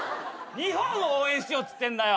日本を応援しようっつってんだよ。